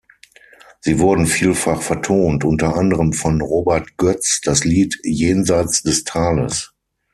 Sie wurden vielfach vertont, unter anderem von Robert Götz das Lied "Jenseits des Tales".